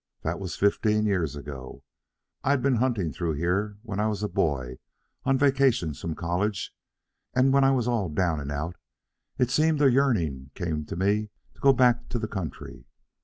That was fifteen years ago. I'd been hunting through here when I was a boy, on vacations from college, and when I was all down and out it seemed a yearning came to me to go back to the country.